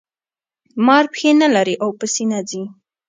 مار پښې نلري او په سینه ځي